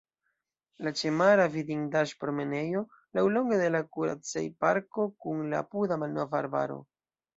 La ĉemara vidindaĵ-promenejo laŭlonge de la Kuracej-parko kun la apuda malnova arbaro.